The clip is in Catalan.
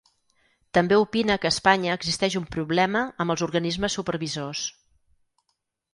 També opina que a Espanya existeix un “problema” amb els organismes supervisors.